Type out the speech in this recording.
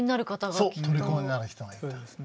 そうとりこになる人がいた。